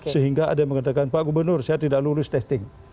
sehingga ada yang mengatakan pak gubernur saya tidak lulus testing